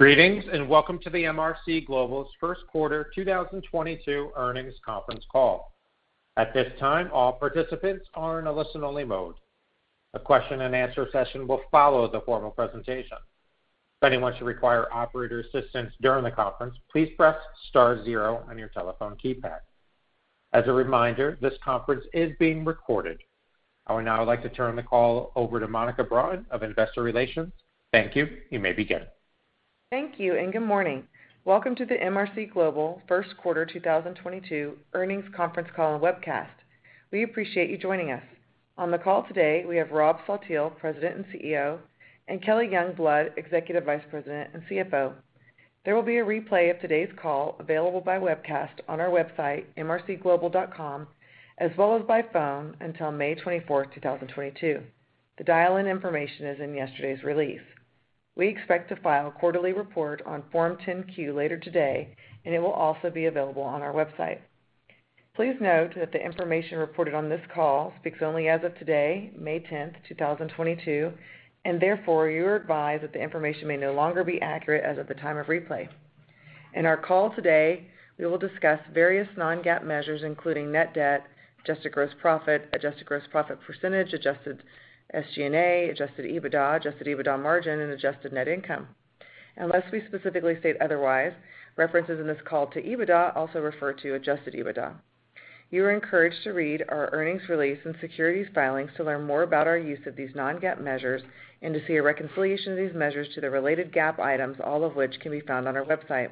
Greetings, and welcome to the MRC Global's first quarter 2022 earnings conference call. At this time, all participants are in a listen-only mode. A question and answer session will follow the formal presentation. If anyone should require operator assistance during the conference, please press star zero on your telephone keypad. As a reminder, this conference is being recorded. I would now like to turn the call over to Monica Broughton of Investor Relations. Thank you. You may begin. Thank you, and good morning. Welcome to the MRC Global first quarter 2022 earnings conference call and webcast. We appreciate you joining us. On the call today, we have Rob Saltiel, President and CEO, and Kelly Youngblood, Executive Vice President and CFO. There will be a replay of today's call available by webcast on our website, mrcglobal.com, as well as by phone until May 24th, 2022. The dial-in information is in yesterday's release. We expect to file a quarterly report on Form 10-Q later today, and it will also be available on our website. Please note that the information reported on this call speaks only as of today, May 10th, 2022, and therefore, you are advised that the information may no longer be accurate as of the time of replay. In our call today, we will discuss various non-GAAP measures, including net debt, adjusted gross profit, adjusted gross profit percentage, adjusted SG&A, adjusted EBITDA, adjusted EBITDA margin, and adjusted net income. Unless we specifically state otherwise, references in this call to EBITDA also refer to adjusted EBITDA. You are encouraged to read our earnings release and securities filings to learn more about our use of these non-GAAP measures and to see a reconciliation of these measures to the related GAAP items, all of which can be found on our website.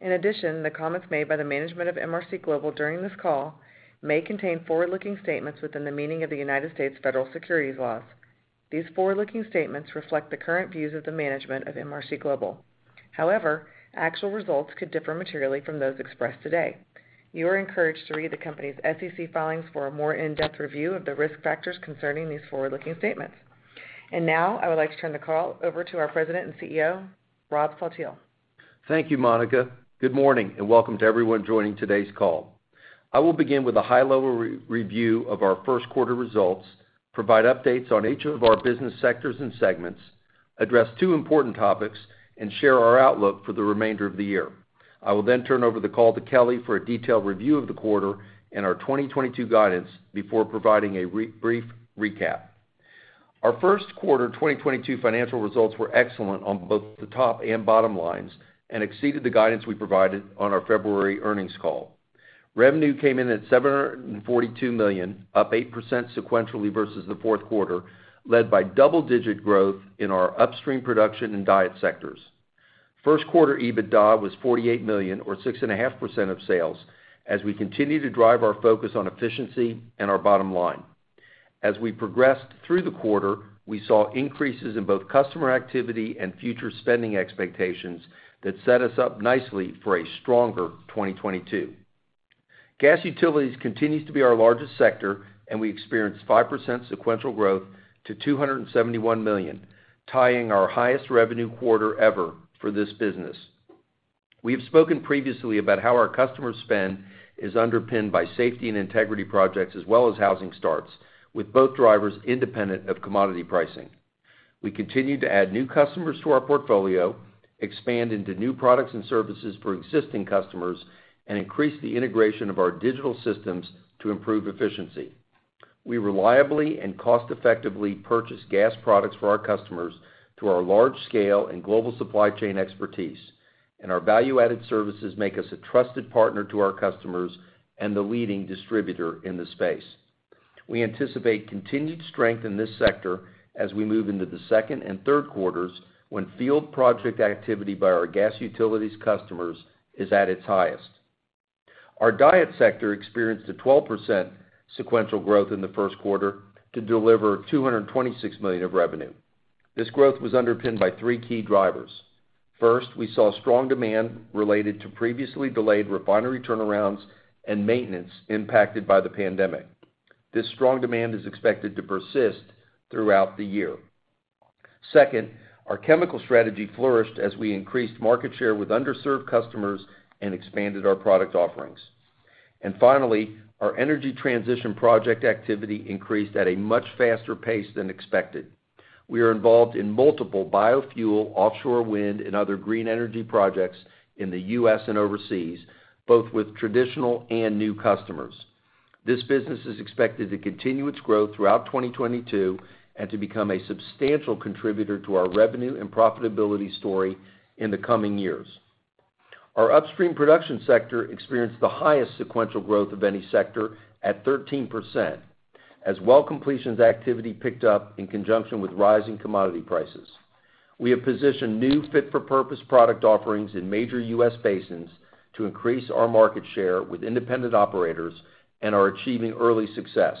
In addition, the comments made by the management of MRC Global during this call may contain forward-looking statements within the meaning of the United States federal securities laws. These forward-looking statements reflect the current views of the management of MRC Global. However, actual results could differ materially from those expressed today. You are encouraged to read the company's SEC filings for a more in-depth review of the risk factors concerning these forward-looking statements. I would like to turn the call over to our President and CEO, Rob Saltiel. Thank you, Monica. Good morning, and welcome to everyone joining today's call. I will begin with a high-level re-review of our first quarter results, provide updates on each of our business sectors and segments, address two important topics, and share our outlook for the remainder of the year. I will then turn over the call to Kelly for a detailed review of the quarter and our 2022 guidance before providing a re-brief recap. Our first quarter 2022 financial results were excellent on both the top and bottom lines and exceeded the guidance we provided on our February earnings call. Revenue came in at $742 million, up 8% sequentially versus the fourth quarter, led by double-digit growth in our upstream production and DIET sectors. First quarter EBITDA was 48 million or 6.5% of sales as we continue to drive our focus on efficiency and our bottom line. As we progressed through the quarter, we saw increases in both customer activity and future spending expectations that set us up nicely for a stronger 2022. Gas Utilities continues to be our largest sector, and we experienced 5% sequential growth to 271 million, tying our highest revenue quarter ever for this business. We have spoken previously about how our customer spend is underpinned by safety and integrity projects as well as housing starts, with both drivers independent of commodity pricing. We continue to add new customers to our portfolio, expand into new products and services for existing customers, and increase the integration of our digital systems to improve efficiency. We reliably and cost-effectively purchase gas products for our customers through our large scale and global supply chain expertise, and our value-added services make us a trusted partner to our customers and the leading distributor in the space. We anticipate continued strength in this sector as we move into the second and third quarters when field project activity by our Gas Utilities customers is at its highest. Our DIET sector experienced a 12% sequential growth in the first quarter to deliver 226 million of revenue. This growth was underpinned by three key drivers. First, we saw strong demand related to previously delayed refinery turnarounds and maintenance impacted by the pandemic. This strong demand is expected to persist throughout the year. Second, our chemical strategy flourished as we increased market share with underserved customers and expanded our product offerings. Finally, our energy transition project activity increased at a much faster pace than expected. We are involved in multiple biofuel, offshore wind and other green energy projects in the U.S. and overseas, both with traditional and new customers. This business is expected to continue its growth throughout 2022 and to become a substantial contributor to our revenue and profitability story in the coming years. Our upstream production sector experienced the highest sequential growth of any sector at 13% as well completions activity picked up in conjunction with rising commodity prices. We have positioned new fit-for-purpose product offerings in major U.S. basins to increase our market share with independent operators and are achieving early success.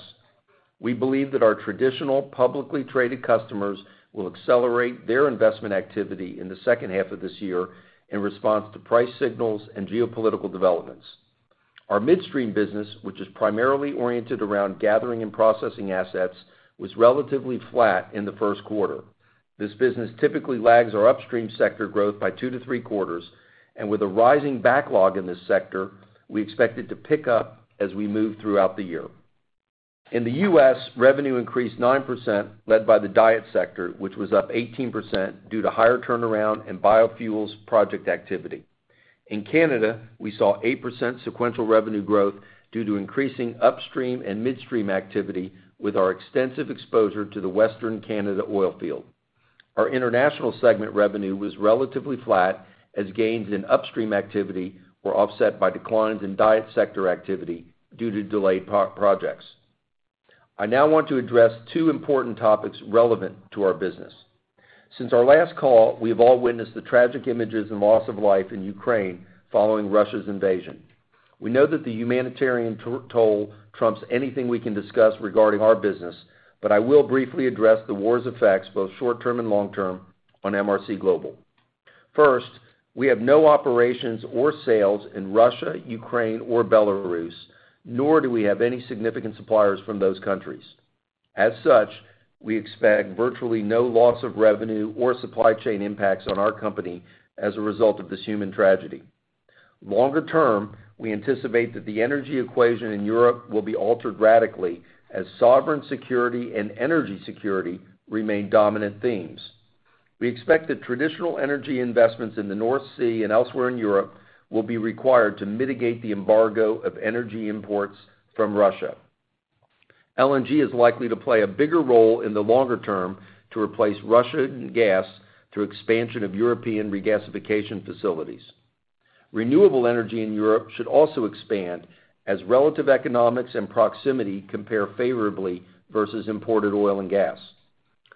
We believe that our traditional publicly traded customers will accelerate their investment activity in the second half of this year in response to price signals and geopolitical developments. Our midstream business, which is primarily oriented around gathering and processing assets, was relatively flat in the first quarter. This business typically lags our upstream sector growth by two-three quarters, and with a rising backlog in this sector, we expect it to pick up as we move throughout the year. In the U.S., revenue increased 9% led by the DIET sector, which was up 18% due to higher turnaround in biofuels project activity. In Canada, we saw 8% sequential revenue growth due to increasing upstream and midstream activity with our extensive exposure to the Western Canada oil field. Our international segment revenue was relatively flat as gains in upstream activity were offset by declines in DIET sector activity due to delayed pro projects. I now want to address two important topics relevant to our business. Since our last call, we have all witnessed the tragic images and loss of life in Ukraine following Russia's invasion. We know that the humanitarian toll trumps anything we can discuss regarding our business, but I will briefly address the war's effects, both short-term and long-term, on MRC Global. First, we have no operations or sales in Russia, Ukraine, or Belarus, nor do we have any significant suppliers from those countries. As such, we expect virtually no loss of revenue or supply chain impacts on our company as a result of this human tragedy. Longer term, we anticipate that the energy equation in Europe will be altered radically as sovereign security and energy security remain dominant themes. We expect that traditional energy investments in the North Sea and elsewhere in Europe will be required to mitigate the embargo of energy imports from Russia. LNG is likely to play a bigger role in the longer term to replace Russian gas through expansion of European regasification facilities. Renewable energy in Europe should also expand as relative economics and proximity compare favorably versus imported oil and gas.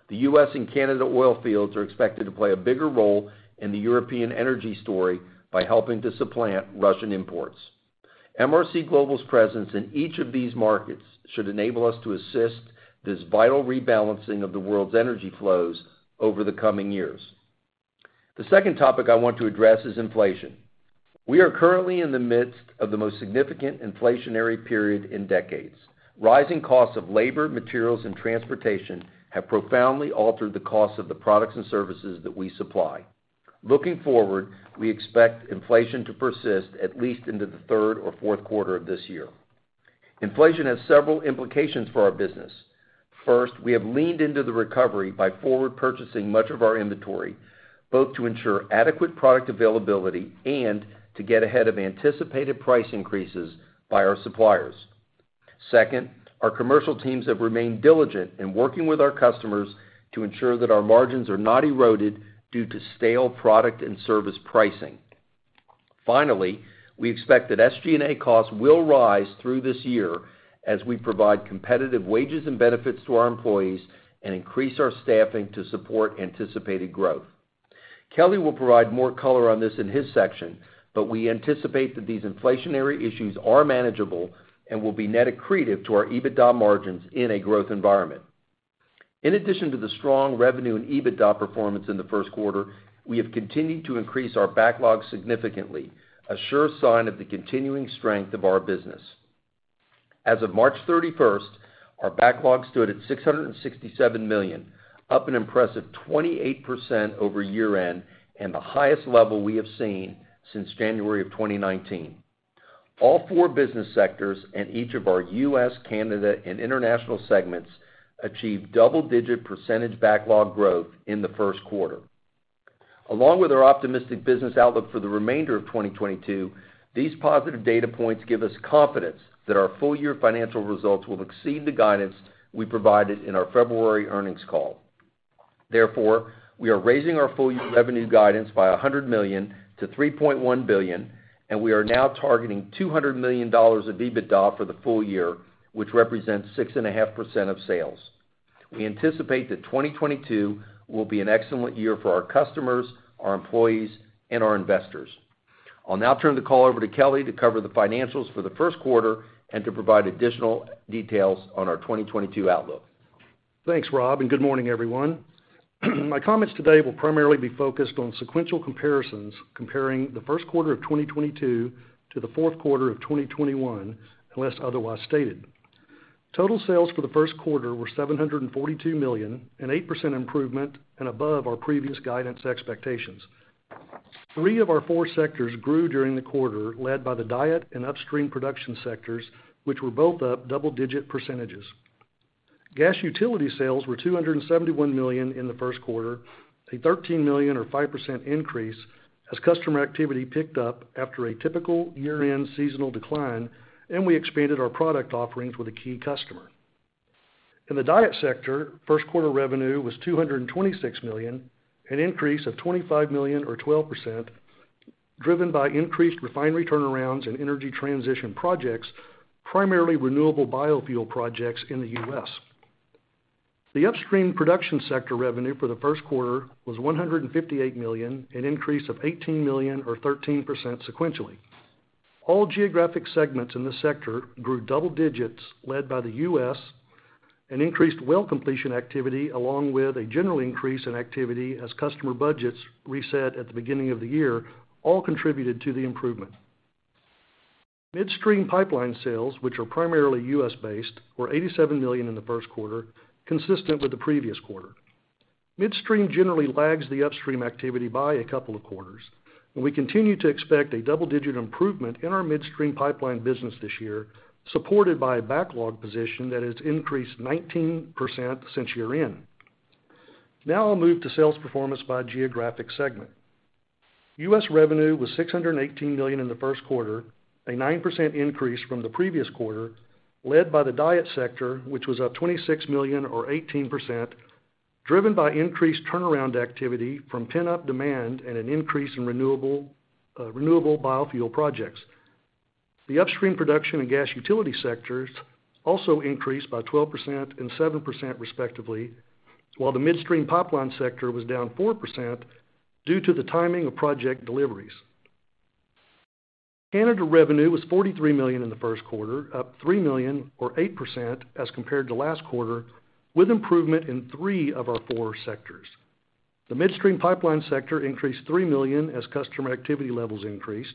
The U.S. and Canada oil fields are expected to play a bigger role in the European energy story by helping to supplant Russian imports. MRC Global's presence in each of these markets should enable us to assist this vital rebalancing of the world's energy flows over the coming years. The second topic I want to address is inflation. We are currently in the midst of the most significant inflationary period in decades. Rising costs of labor, materials, and transportation have profoundly altered the cost of the products and services that we supply. Looking forward, we expect inflation to persist at least into the third or fourth quarter of this year. Inflation has several implications for our business. First, we have leaned into the recovery by forward purchasing much of our inventory, both to ensure adequate product availability and to get ahead of anticipated price increases by our suppliers. Second, our commercial teams have remained diligent in working with our customers to ensure that our margins are not eroded due to stale product and service pricing. Finally, we expect that SG&A costs will rise through this year as we provide competitive wages and benefits to our employees and increase our staffing to support anticipated growth. Kelly will provide more color on this in his section, but we anticipate that these inflationary issues are manageable and will be net accretive to our EBITDA margins in a growth environment. In addition to the strong revenue and EBITDA performance in the first quarter, we have continued to increase our backlog significantly, a sure sign of the continuing strength of our business. As of March 31, our backlog stood at 667 million, up an impressive 28% over year-end and the highest level we have seen since January 2019. All four business sectors in each of our U.S., Canada, and international segments achieved double-digit percentage backlog growth in the first quarter. Along with our optimistic business outlook for the remainder of 2022, these positive data points give us confidence that our full year financial results will exceed the guidance we provided in our February earnings call. Therefore, we are raising our full-year revenue guidance by 100 million-3.1 billion, and we are now targeting $200 million of EBITDA for the full year, which represents 6.5% of sales. We anticipate that 2022 will be an excellent year for our customers, our employees, and our investors. I'll now turn the call over to Kelly to cover the financials for the first quarter and to provide additional details on our 2022 outlook. Thanks, Rob, and good morning, everyone. My comments today will primarily be focused on sequential comparisons comparing the first quarter of 2022 to the fourth quarter of 2021, unless otherwise stated. Total sales for the first quarter were 742 million, an 8% improvement and above our previous guidance expectations. Three of our four sectors grew during the quarter, led by the DIET and upstream production sectors, which were both up double-digit percentages. Gas Utilities sales were 271 million in the first quarter, a 13 million or 5% increase as customer activity picked up after a typical year-end seasonal decline, and we expanded our product offerings with a key customer. In the DIET sector, first quarter revenue was 226 million, an increase of 25 million or 12%, driven by increased refinery turnarounds and energy transition projects, primarily renewable biofuel projects in the U.S. The upstream production sector revenue for the first quarter was 158 million, an increase of 18 million or 13% sequentially. All geographic segments in this sector grew double digits led by the U.S. Increased well completion activity, along with a general increase in activity as customer budgets reset at the beginning of the year, all contributed to the improvement. Midstream pipeline sales, which are primarily U.S.-based, were 87 million in the first quarter, consistent with the previous quarter. Midstream generally lags the upstream activity by a couple of quarters, and we continue to expect a double-digit improvement in our midstream pipeline business this year, supported by a backlog position that has increased 19% since year-end. Now I'll move to sales performance by geographic segment. U.S. revenue was 618 million in the first quarter, a 9% increase from the previous quarter, led by the DIET sector, which was up 26 million or 18%, driven by increased turnaround activity from pent-up demand and an increase in renewable biofuel projects. The upstream production and Gas Utilities sectors also increased by 12% and 7% respectively, while the midstream pipeline sector was down 4% due to the timing of project deliveries. Canada revenue was 43 million in the first quarter, up three million or 8% as compared to last quarter, with improvement in three of our four sectors. The midstream pipeline sector increased three million as customer activity levels increased.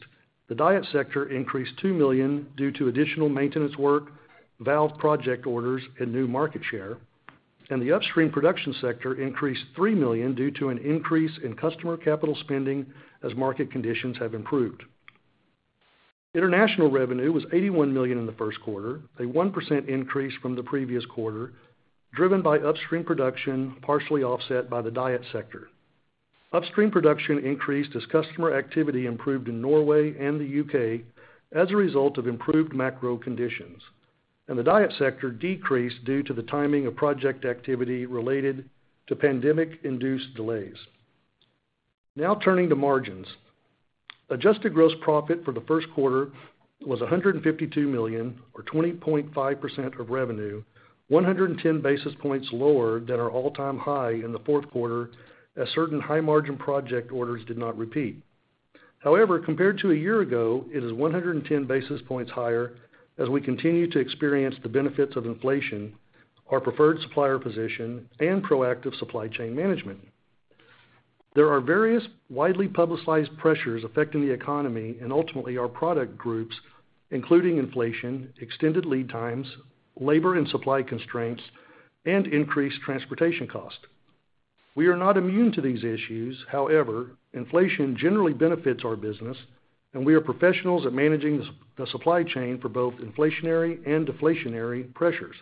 The DIET sector increased two million due to additional maintenance work, valve project orders and new market share. The upstream production sector increased three million due to an increase in customer capital spending as market conditions have improved. International revenue was 81 million in the first quarter, a 1% increase from the previous quarter, driven by upstream production, partially offset by the DIET sector. Upstream production increased as customer activity improved in Norway and the U.K. as a result of improved macro conditions, and the DIET sector decreased due to the timing of project activity related to pandemic-induced delays. Now turning to margins. Adjusted gross profit for the first quarter was 152 million or 20.5% of revenue, 110 basis points lower than our all-time high in the fourth quarter as certain high-margin project orders did not repeat. However, compared to a year ago, it is 110 basis points higher as we continue to experience the benefits of inflation, our preferred supplier position and proactive supply chain management. There are various widely publicized pressures affecting the economy and ultimately our product groups, including inflation, extended lead times, labor and supply constraints, and increased transportation cost. We are not immune to these issues. However, inflation generally benefits our business, and we are professionals at managing the supply chain for both inflationary and deflationary pressures.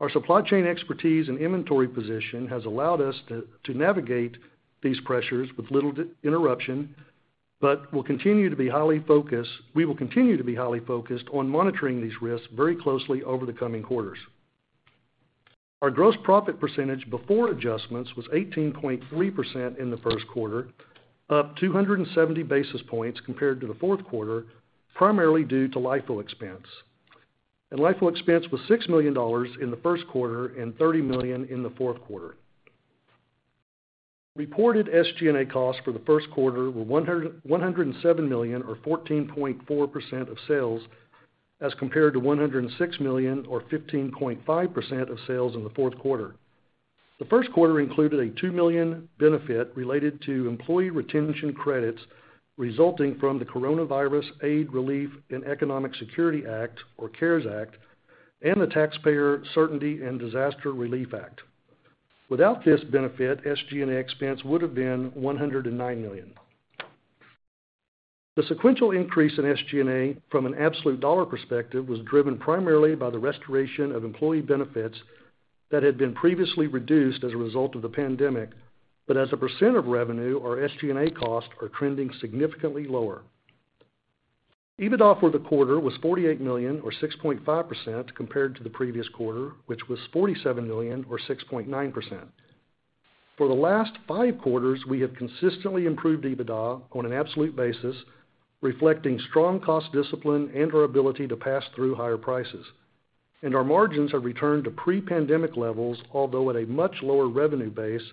Our supply chain expertise and inventory position has allowed us to navigate these pressures with little disruption, but we will continue to be highly focused on monitoring these risks very closely over the coming quarters. Our gross profit percentage before adjustments was 18.3% in the first quarter, up 270 basis points compared to the fourth quarter, primarily due to LIFO expense. LIFO expense was $6 million in the first quarter and 30 million in the fourth quarter. Reported SG&A costs for the first quarter were 107 million or 14.4% of sales, as compared to 106 million or 15.5% of sales in the fourth quarter. The first quarter included a two million benefit related to employee retention credits resulting from the Coronavirus Aid, Relief, and Economic Security Act or CARES Act, and the Taxpayer Certainty and Disaster Relief Act. Without this benefit, SG&A expense would have been 109 million. The sequential increase in SG&A from an absolute dollar perspective was driven primarily by the restoration of employee benefits that had been previously reduced as a result of the pandemic. As a percent of revenue, our SG&A costs are trending significantly lower. EBITDA for the quarter was 48 million or 6.5% compared to the previous quarter, which was 47 million or 6.9%. For the last five quarters, we have consistently improved EBITDA on an absolute basis, reflecting strong cost discipline and our ability to pass through higher prices. Our margins have returned to pre-pandemic levels, although at a much lower revenue base,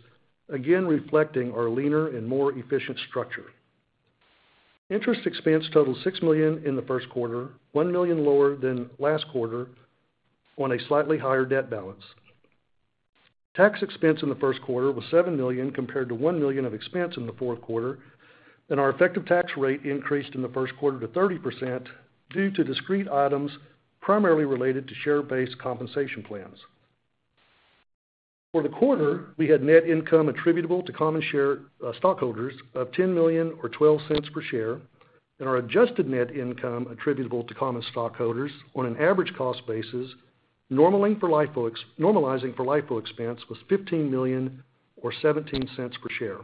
again reflecting our leaner and more efficient structure. Interest expense totaled six million in the first quarter, one million lower than last quarter on a slightly higher debt balance. Tax expense in the first quarter was seven million compared to one million of expense in the fourth quarter. Our effective tax rate increased in the first quarter to 30% due to discrete items primarily related to share-based compensation plans. For the quarter, we had net income attributable to common shareholders of 10 million or 12 cents per share, and our adjusted net income attributable to common stockholders on an average cost basis normalizing for LIFO expense was 15 million or 17 cents per share.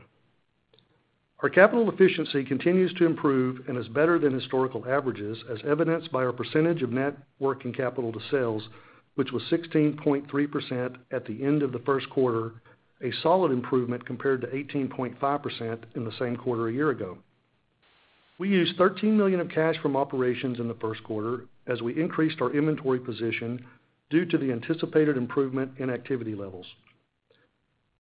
Our capital efficiency continues to improve and is better than historical averages as evidenced by our percentage of net working capital to sales, which was 16.3% at the end of the first quarter, a solid improvement compared to 18.5% in the same quarter a year ago. We used 13 million of cash from operations in the first quarter as we increased our inventory position due to the anticipated improvement in activity levels.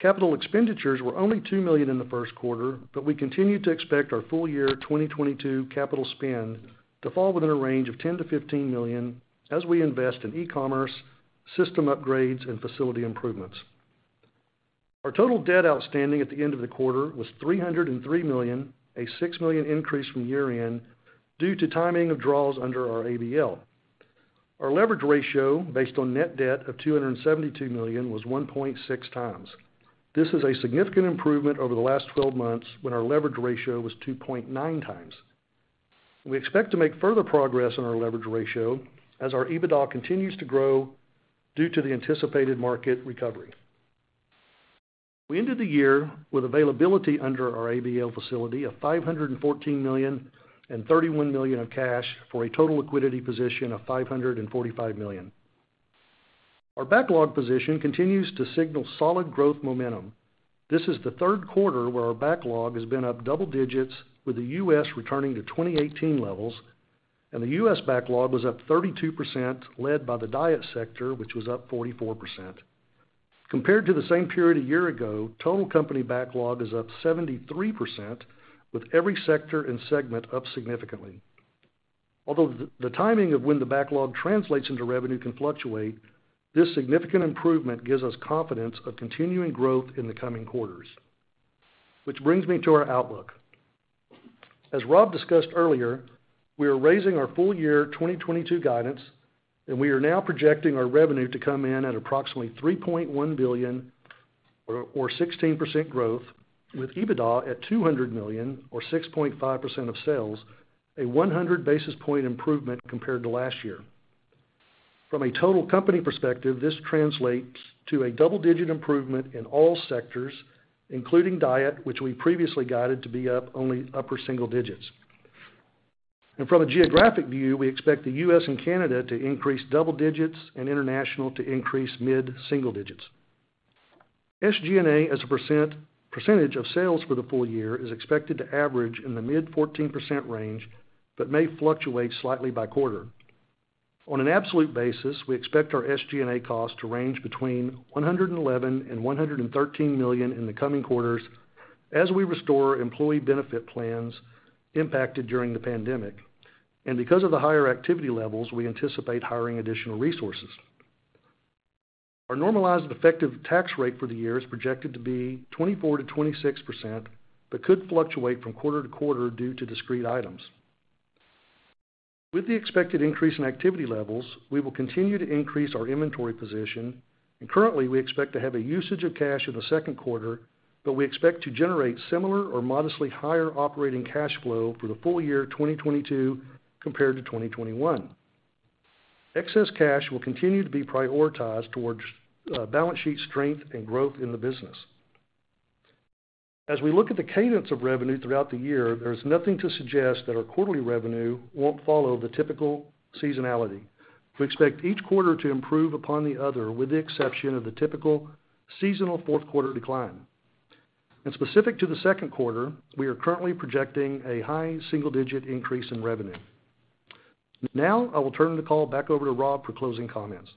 Capital expenditures were only two million in the first quarter, but we continue to expect our full-year 2022 capital spend to fall within a range of 10 million-15 million as we invest in e-commerce, system upgrades and facility improvements. Our total debt outstanding at the end of the quarter was 303 million, a six million increase from year-end due to timing of draws under our ABL. Our leverage ratio based on net debt of 272 million was 1.6 times. This is a significant improvement over the last 12 months when our leverage ratio was 2.9 times. We expect to make further progress on our leverage ratio as our EBITDA continues to grow due to the anticipated market recovery. We ended the year with availability under our ABL facility of 514 million and 31 million of cash for a total liquidity position of 545 million. Our backlog position continues to signal solid growth momentum. This is the third quarter where our backlog has been up double digits, with the U.S. returning to 2018 levels, and the U.S. backlog was up 32%, led by the DIET sector, which was up 44%. Compared to the same period a year ago, total company backlog is up 73%, with every sector and segment up significantly. Although the timing of when the backlog translates into revenue can fluctuate, this significant improvement gives us confidence of continuing growth in the coming quarters. Which brings me to our outlook. As Rob discussed earlier, we are raising our full-year 2022 guidance, and we are now projecting our revenue to come in at approximately 3.1 billion or 16% growth, with EBITDA at 200 million or 6.5% of sales, a 100 basis point improvement compared to last year. From a total company perspective, this translates to a double-digit improvement in all sectors, including DIET, which we previously guided to be up only upper single digits. From a geographic view, we expect the US and Canada to increase double digits and international to increase mid-single digits. SG&A as a percentage of sales for the full year is expected to average in the mid-14% range, but may fluctuate slightly by quarter. On an absolute basis, we expect our SG&A cost to range between 111 million and 113 million in the coming quarters as we restore employee benefit plans impacted during the pandemic. Because of the higher activity levels, we anticipate hiring additional resources. Our normalized effective tax rate for the year is projected to be 24%-26%, but could fluctuate from quarter to quarter due to discrete items. With the expected increase in activity levels, we will continue to increase our inventory position, and currently, we expect to have a usage of cash in the second quarter, but we expect to generate similar or modestly higher operating cash flow for the full year 2022 compared to 2021. Excess cash will continue to be prioritized towards balance sheet strength and growth in the business. As we look at the cadence of revenue throughout the year, there's nothing to suggest that our quarterly revenue won't follow the typical seasonality. We expect each quarter to improve upon the other with the exception of the typical seasonal fourth quarter decline. Specific to the second quarter, we are currently projecting a high single-digit% increase in revenue. Now I will turn the call back over to Rob for closing comments.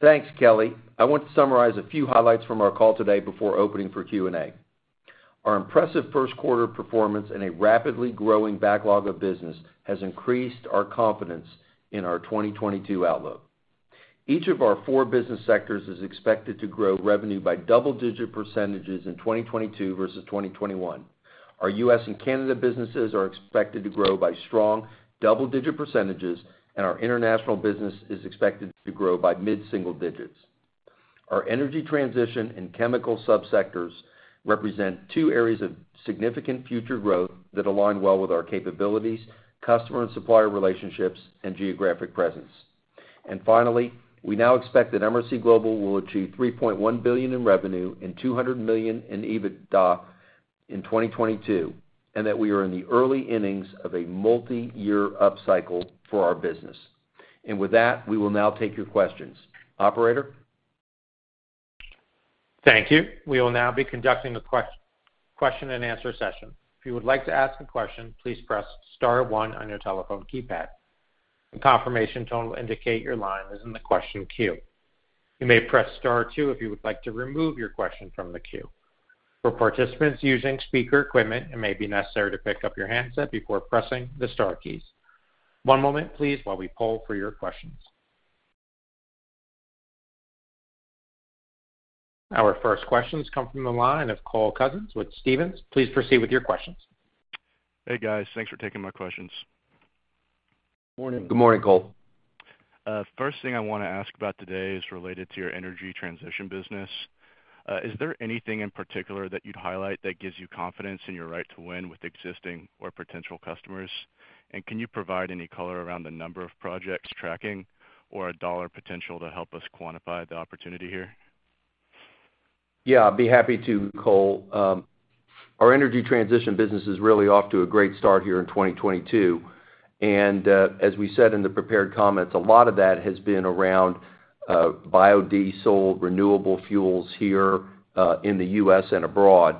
Thanks, Kelly. I want to summarize a few highlights from our call today before opening for Q&A. Our impressive first quarter performance and a rapidly growing backlog of business has increased our confidence in our 2022 outlook. Each of our four business sectors is expected to grow revenue by double-digit percentages in 2022 versus 2021. Our U.S. and Canada businesses are expected to grow by strong double-digit percentages, and our international business is expected to grow by mid-single digits. Our energy transition and chemical subsectors represent two areas of significant future growth that align well with our capabilities, customer and supplier relationships, and geographic presence. Finally, we now expect that MRC Global will achieve 3.1 billion in revenue and 200 million in EBITDA in 2022, and that we are in the early innings of a multiyear upcycle for our business. With that, we will now take your questions. Operator? Thank you. We will now be conducting a question and answer session. If you would like to ask a question, please press star one on your telephone keypad. A confirmation tone will indicate your line is in the question queue. You may press star two if you would like to remove your question from the queue. For participants using speaker equipment, it may be necessary to pick up your handset before pressing the star keys. One moment please while we poll for your questions. Our first questions come from the line of Cole Cowen with Stephens. Please proceed with your questions. Hey, guys. Thanks for taking my questions. Morning. Good morning, Cole. First thing I wanna ask about today is related to your energy transition business. Is there anything in particular that you'd highlight that gives you confidence in your right to win with existing or potential customers? Can you provide any color around the number of projects tracking or a dollar potential to help us quantify the opportunity here? Yeah, I'd be happy to, Cole. Our energy transition business is really off to a great start here in 2022. As we said in the prepared comments, a lot of that has been around biodiesel renewable fuels here in the U.S. and abroad.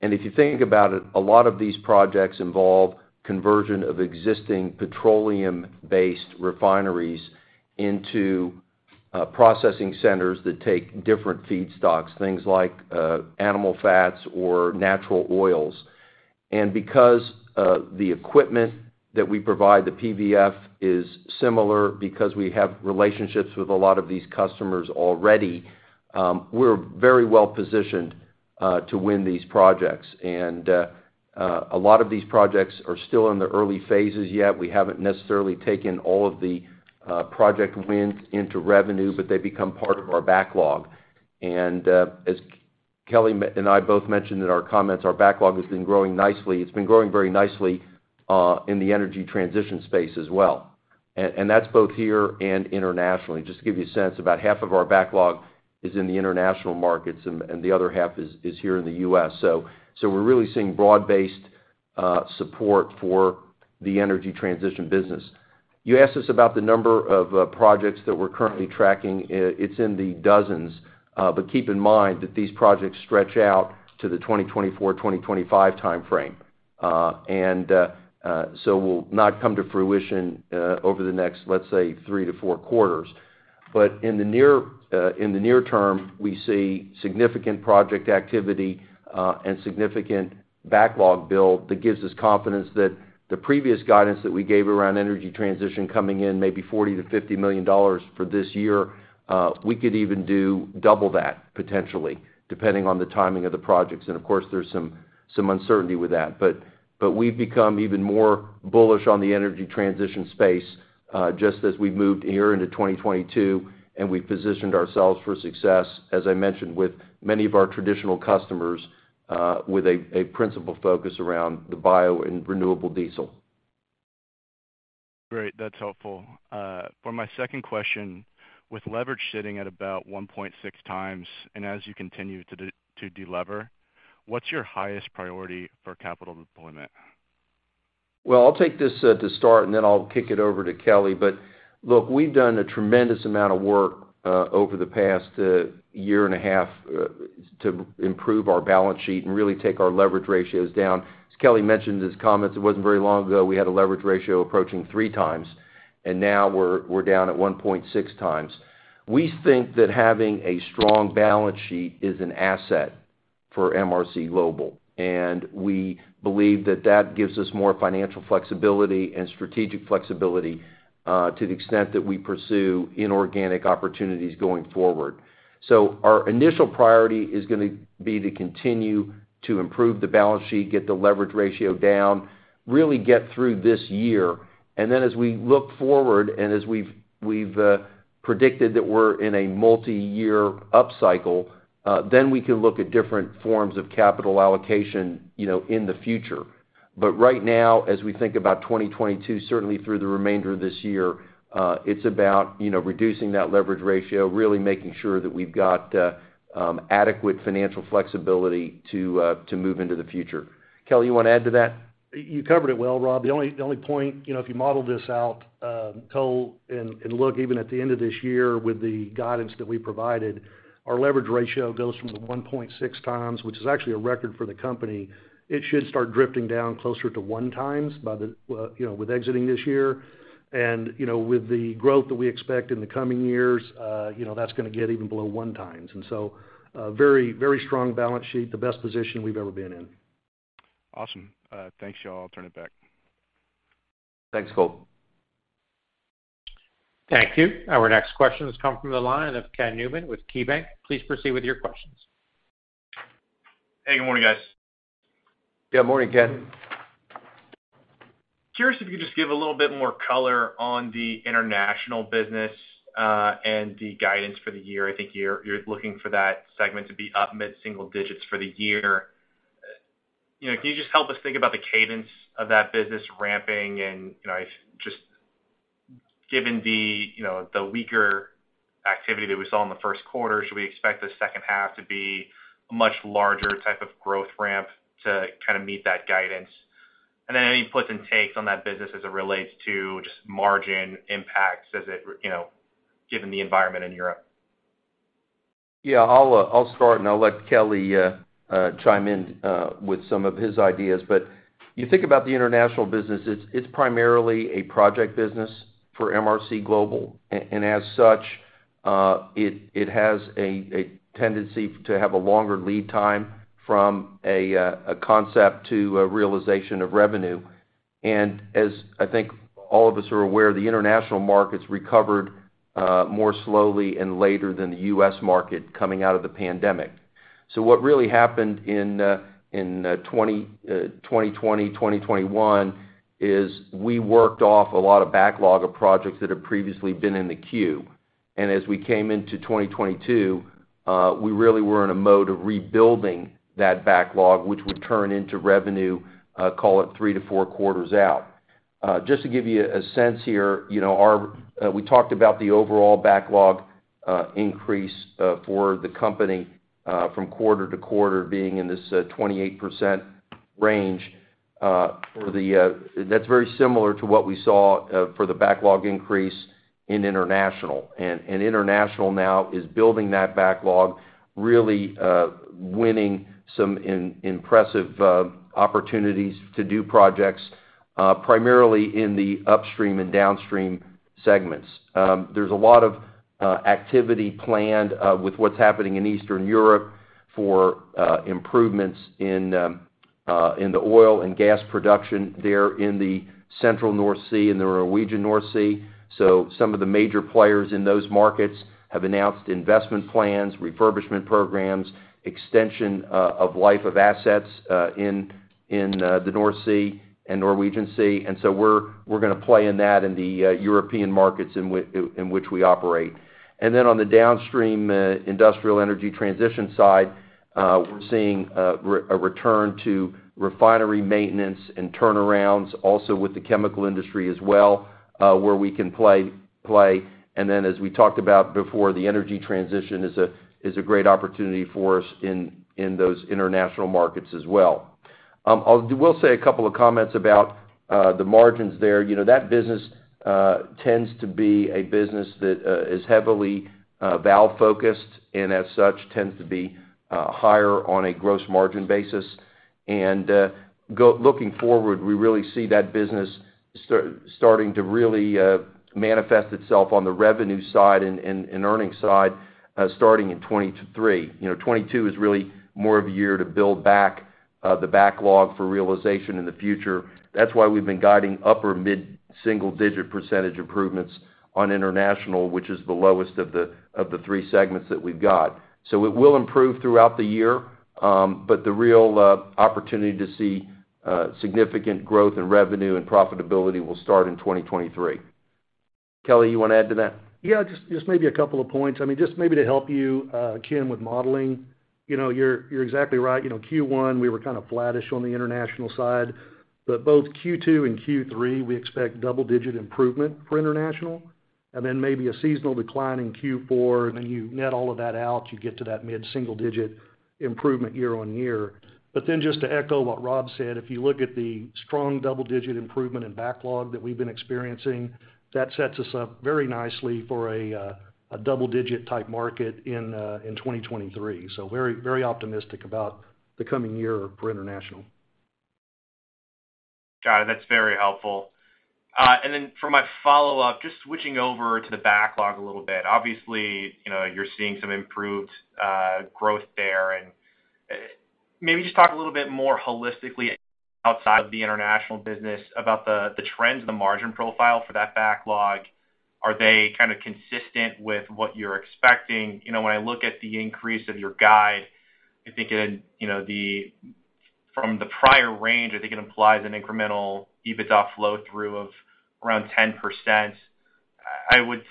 If you think about it, a lot of these projects involve conversion of existing petroleum-based refineries into processing centers that take different feedstocks, things like animal fats or natural oils. Because the equipment that we provide, the PVF, is similar because we have relationships with a lot of these customers already, we're very well positioned to win these projects. A lot of these projects are still in the early phases yet. We haven't necessarily taken all of the project wins into revenue, but they become part of our backlog. As Kelly and I both mentioned in our comments, our backlog has been growing nicely. It's been growing very nicely in the energy transition space as well. That's both here and internationally. Just to give you a sense, about half of our backlog is in the international markets and the other half is here in the U.S. We're really seeing broad-based support for the energy transition business. You asked us about the number of projects that we're currently tracking. It's in the dozens, but keep in mind that these projects stretch out to the 2024, 2025 timeframe. They will not come to fruition over the next, let's say, three to four quarters. In the near term, we see significant project activity and significant backlog build that gives us confidence that the previous guidance that we gave around energy transition coming in maybe $40 million-$50 million for this year, we could even do double that potentially, depending on the timing of the projects. Of course, there's some uncertainty with that. We've become even more bullish on the energy transition space, just as we've moved here into 2022, and we've positioned ourselves for success, as I mentioned, with many of our traditional customers, with a principal focus around the bio and renewable diesel. Great. That's helpful. For my second question, with leverage sitting at about 1.6 times, and as you continue to de-lever, what's your highest priority for capital deployment? Well, I'll take this to start, and then I'll kick it over to Kelly. Look, we've done a tremendous amount of work over the past year and a half to improve our balance sheet and really take our leverage ratios down. As Kelly mentioned in his comments, it wasn't very long ago, we had a leverage ratio approaching three times, and now we're down at 1.6 times. We think that having a strong balance sheet is an asset for MRC Global, and we believe that that gives us more financial flexibility and strategic flexibility to the extent that we pursue inorganic opportunities going forward. Our initial priority is gonna be to continue to improve the balance sheet, get the leverage ratio down, really get through this year. Then as we look forward and as we've predicted that we're in a multiyear upcycle, then we can look at different forms of capital allocation, you know, in the future. But right now, as we think about 2022, certainly through the remainder of this year, it's about, you know, reducing that leverage ratio, really making sure that we've got adequate financial flexibility to move into the future. Kelly, you wanna add to that? You covered it well, Rob. The only point, you know, if you model this out, Cole, and look even at the end of this year with the guidance that we provided, our leverage ratio goes from the 1.6 times, which is actually a record for the company. It should start drifting down closer to 1 times by the, well, you know, with exiting this year. You know, with the growth that we expect in the coming years, you know, that's gonna get even below 1 times. Very, very strong balance sheet, the best position we've ever been in. Awesome. Thanks, y'all. I'll turn it back. Thanks, Cole. Thank you. Our next question has come from the line of Ken Newman with KeyBanc. Please proceed with your questions. Hey, good morning, guys. Yeah, morning, Ken. Curious if you could just give a little bit more color on the international business and the guidance for the year. I think you're looking for that segment to be up mid-single digits% for the year. You know, can you just help us think about the cadence of that business ramping and, you know, just given the, you know, the weaker activity that we saw in the first quarter, should we expect the second half to be a much larger type of growth ramp to kind of meet that guidance? Then any puts and takes on that business as it relates to just margin impacts as it, you know, given the environment in Europe. Yeah. I'll start, and I'll let Kelly chime in with some of his ideas. You think about the international business, it's primarily a project business for MRC Global. As such, it has a tendency to have a longer lead time from a concept to a realization of revenue. As I think all of us are aware, the international markets recovered more slowly and later than the U.S. market coming out of the pandemic. What really happened in 2020, 2021, is we worked off a lot of backlog of projects that had previously been in the queue. As we came into 2022, we really were in a mode of rebuilding that backlog, which would turn into revenue, call it three-four quarters out. Just to give you a sense here, you know, we talked about the overall backlog increase for the company from quarter to quarter being in this 28% range. That's very similar to what we saw for the backlog increase in international. International now is building that backlog, really winning some impressive opportunities to do projects primarily in the upstream and downstream segments. There's a lot of activity planned with what's happening in Eastern Europe for improvements in the oil and gas production there in the central North Sea and the Norwegian North Sea. Some of the major players in those markets have announced investment plans, refurbishment programs, extension of life of assets in the North Sea and Norwegian Sea. We're gonna play in that in the European markets in which we operate. On the downstream industrial energy transition side, we're seeing a return to refinery maintenance and turnarounds also with the chemical industry as well where we can play. As we talked about before, the energy transition is a great opportunity for us in those international markets as well. We'll say a couple of comments about the margins there. You know, that business tends to be a business that is heavily valve-focused, and as such, tends to be higher on a gross margin basis. Looking forward, we really see that business starting to really manifest itself on the revenue side and earnings side, starting in 2023. You know, 2022 is really more of a year to build back the backlog for realization in the future. That's why we've been guiding upper mid-single-digit percentage improvements on international, which is the lowest of the three segments that we've got. It will improve throughout the year, but the real opportunity to see significant growth in revenue and profitability will start in 2023. Kelly, you wanna add to that? Yeah, just maybe a couple of points. I mean, just maybe to help you, Ken Newman, with modeling. You know, you're exactly right. You know, Q1, we were kind of flattish on the international side. Both Q2 and Q3, we expect double-digit improvement for international, and then maybe a seasonal decline in Q4, and then you net all of that out, you get to that mid-single-digit improvement year-on-year. Then just to echo what Rob Saltiel said, if you look at the strong double-digit improvement in backlog that we've been experiencing, that sets us up very nicely for a double-digit type market in 2023. Very, very optimistic about the coming year for international. Got it. That's very helpful. For my follow-up, just switching over to the backlog a little bit. Obviously, you know, you're seeing some improved growth there, and maybe just talk a little bit more holistically outside of the international business about the trends and the margin profile for that backlog. Are they kind of consistent with what you're expecting? You know, when I look at the increase of your guide, I think, you know, from the prior range, I think it implies an incremental EBITDA flow through of around 10%. I would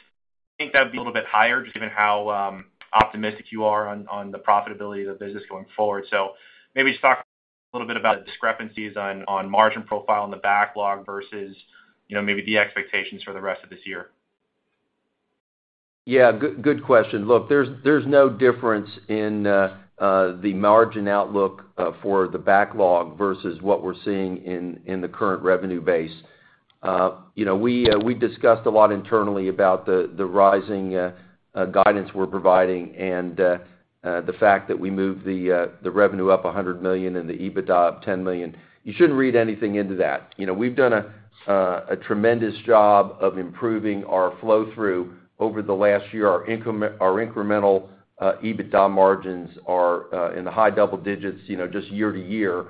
think that'd be a little bit higher just given how optimistic you are on the profitability of the business going forward. Maybe just talk a little bit about the discrepancies on margin profile and the backlog versus, you know, maybe the expectations for the rest of this year. Yeah, good question. Look, there's no difference in the margin outlook for the backlog versus what we're seeing in the current revenue base. You know, we discussed a lot internally about the rising guidance we're providing and the fact that we moved the revenue up 100 million and the EBITDA up 10 million. You shouldn't read anything into that. You know, we've done a tremendous job of improving our flow through over the last year. Our incremental EBITDA margins are in the high double digits, you know, just year to year.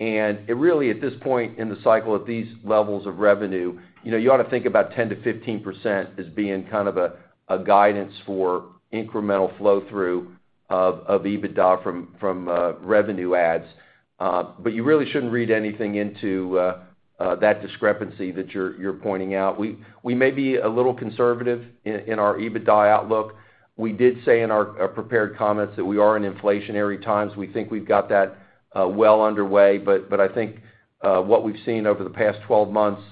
It really, at this point in the cycle at these levels of revenue, you know, you ought to think about 10%-15% as being kind of a guidance for incremental flow through of EBITDA from revenue adds. You really shouldn't read anything into that discrepancy that you're pointing out. We may be a little conservative in our EBITDA outlook. We did say in our prepared comments that we are in inflationary times. We think we've got that well underway. I think what we've seen over the past 12 months,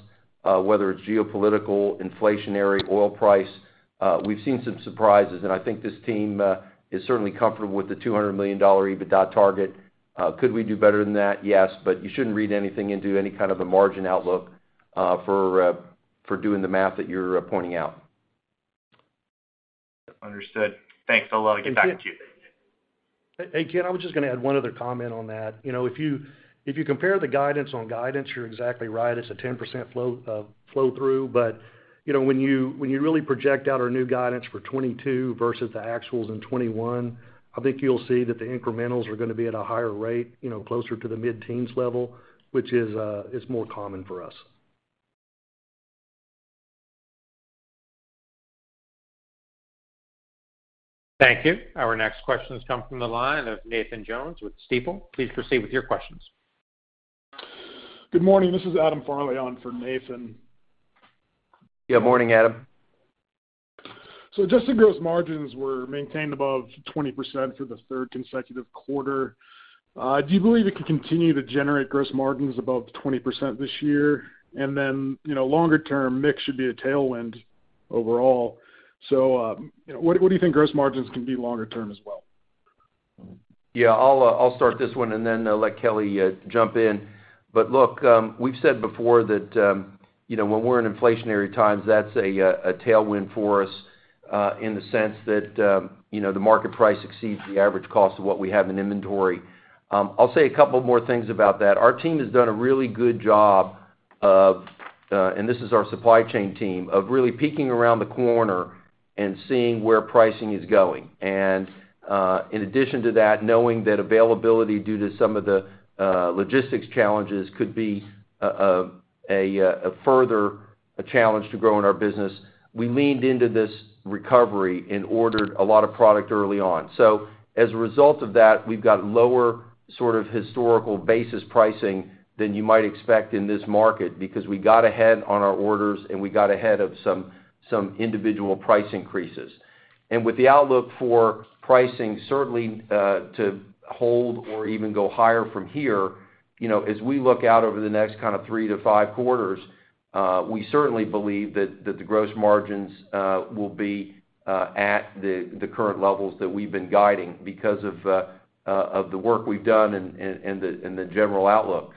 whether it's geopolitical, inflationary, oil price, we've seen some surprises. I think this team is certainly comfortable with the $200 million EBITDA target. Could we do better than that? Yes. You shouldn't read anything into any kind of a margin outlook for doing the math that you're pointing out. Understood. Thanks. I'll get back to you. Hey, Ken, I was just gonna add one other comment on that. You know, if you compare the guidance on guidance, you're exactly right, it's a 10% flow through. You know, when you really project out our new guidance for 2022 versus the actuals in 2021, I think you'll see that the incrementals are gonna be at a higher rate, you know, closer to the mid-teens level, which is more common for us. Thank you. Our next question has come from the line of Nathan Jones with Stifel. Please proceed with your questions. Good morning. This is Adam Farley on for Nathan. Good morning, Adam. Adjusted gross margins were maintained above 20% for the third consecutive quarter. Do you believe it can continue to generate gross margins above 20% this year? You know, longer term, mix should be a tailwind overall. You know, what do you think gross margins can be longer term as well? Yeah, I'll start this one and then let Kelly jump in. Look, we've said before that, you know, when we're in inflationary times, that's a tailwind for us, in the sense that, you know, the market price exceeds the average cost of what we have in inventory. I'll say a couple more things about that. Our team has done a really good job of, and this is our supply chain team, of really peeking around the corner and seeing where pricing is going. In addition to that, knowing that availability due to some of the logistics challenges could be a further challenge to grow in our business. We leaned into this recovery and ordered a lot of product early on. As a result of that, we've got lower sort of historical basis pricing than you might expect in this market, because we got ahead on our orders, and we got ahead of some individual price increases. With the outlook for pricing, certainly, to hold or even go higher from here, you know, as we look out over the next kind of three-five quarters, we certainly believe that the gross margins will be at the current levels that we've been guiding because of the work we've done and the general outlook.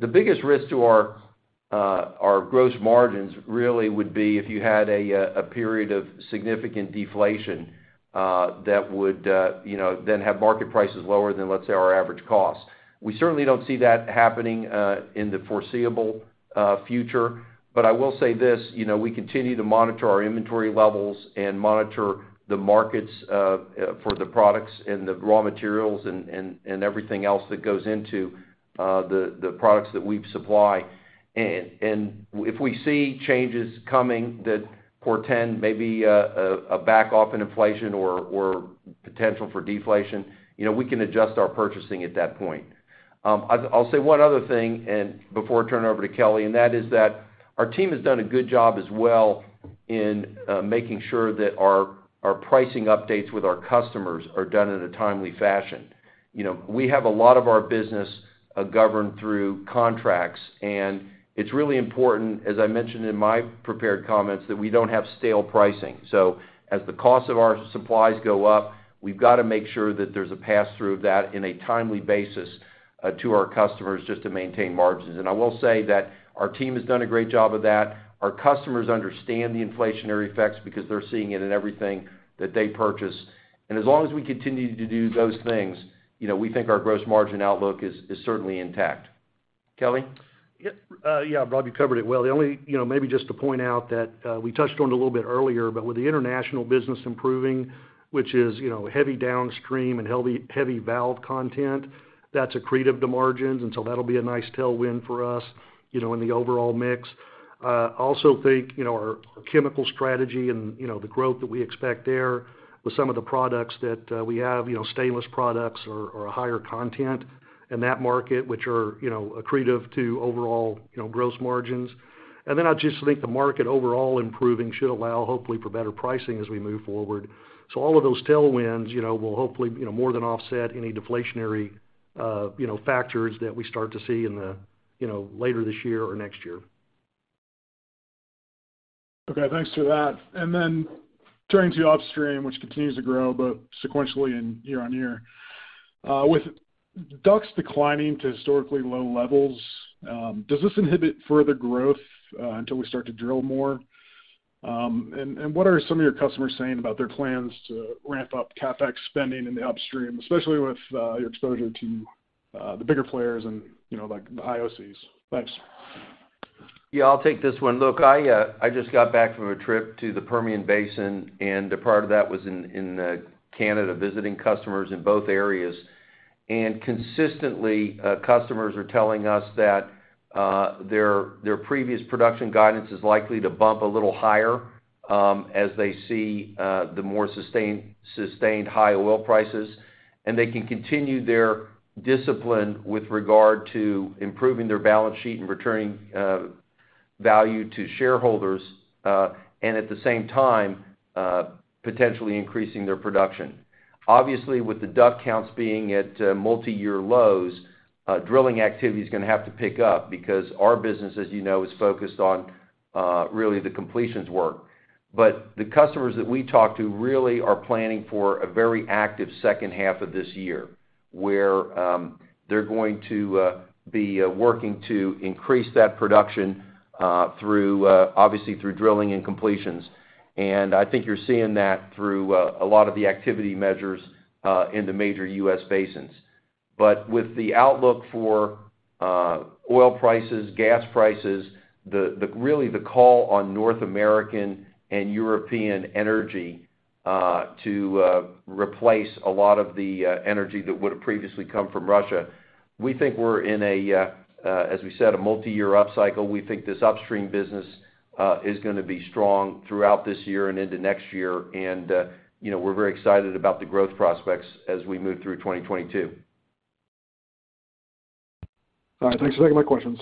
The biggest risk to our gross margins really would be if you had a period of significant deflation that would, you know, then have market prices lower than, let's say, our average cost. We certainly don't see that happening in the foreseeable future, but I will say this, you know, we continue to monitor our inventory levels and monitor the markets for the products and the raw materials and everything else that goes into the products that we supply. If we see changes coming that portend maybe a back off in inflation or potential for deflation, you know, we can adjust our purchasing at that point. I'll say one other thing and before I turn over to Kelly, and that is that our team has done a good job as well in making sure that our pricing updates with our customers are done in a timely fashion. You know, we have a lot of our business governed through contracts, and it's really important, as I mentioned in my prepared comments, that we don't have stale pricing. As the cost of our supplies go up, we've gotta make sure that there's a pass-through of that in a timely basis to our customers just to maintain margins. I will say that our team has done a great job of that. Our customers understand the inflationary effects because they're seeing it in everything that they purchase. As long as we continue to do those things, you know, we think our gross margin outlook is certainly intact. Kelly? Yeah, yeah, Rob, you covered it well. The only, you know, maybe just to point out that, we touched on it a little bit earlier, but with the international business improving, which is, you know, heavy downstream and heavy valve content, that's accretive to margins, and so that'll be a nice tailwind for us, you know, in the overall mix. Also think, you know, our chemical strategy and, you know, the growth that we expect there with some of the products that, we have, you know, stainless products or a higher content in that market, which are, you know, accretive to overall, you know, gross margins. I just think the market overall improving should allow, hopefully, for better pricing as we move forward. All of those tailwinds, you know, will hopefully, you know, more than offset any deflationary, you know, factors that we start to see in the, you know, later this year or next year. Okay, thanks for that. Then turning to upstream, which continues to grow, but sequentially and year on year. With DUCs declining to historically low levels, does this inhibit further growth until we start to drill more? And what are some of your customers saying about their plans to ramp up CapEx spending in the upstream, especially with your exposure to the bigger players and, you know, like the IOCs? Thanks. Yeah, I'll take this one. Look, I just got back from a trip to the Permian Basin, and a part of that was in Canada, visiting customers in both areas. Consistently, customers are telling us that their previous production guidance is likely to bump a little higher, as they see the more sustained high oil prices. They can continue their discipline with regard to improving their balance sheet and returning value to shareholders, and at the same time, potentially increasing their production. Obviously, with the DUC counts being at multi-year lows, drilling activity is gonna have to pick up because our business, as you know, is focused on really the completions work. The customers that we talk to really are planning for a very active second half of this year, where they're going to be working to increase that production through obviously through drilling and completions. I think you're seeing that through a lot of the activity measures in the major U.S. basins. With the outlook for oil prices, gas prices, the real call on North American and European energy to replace a lot of the energy that would have previously come from Russia. We think we're in a, as we said, a multi-year upcycle. We think this upstream business is gonna be strong throughout this year and into next year. You know, we're very excited about the growth prospects as we move through 2022. All right. Thanks for taking my questions.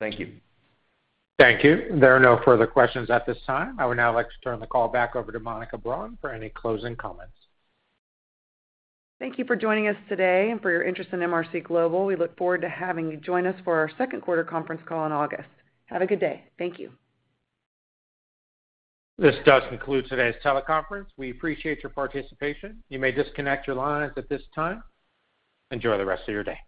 Thank you. Thank you. There are no further questions at this time. I would now like to turn the call back over to Monica Broughton for any closing comments. Thank you for joining us today and for your interest in MRC Global. We look forward to having you join us for our second quarter conference call in August. Have a good day. Thank you. This does conclude today's teleconference. We appreciate your participation. You may disconnect your lines at this time. Enjoy the rest of your day.